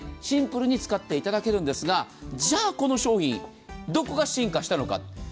シンプルに使っていただけるんですが、じゃあこの商品、どこが進化したのか。